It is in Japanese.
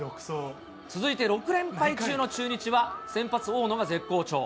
続いて６連敗中の中日は、先発、大野が絶好調。